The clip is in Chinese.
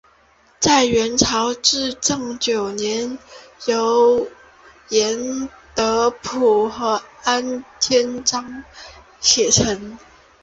在元朝至正九年由严德甫和晏天章写成。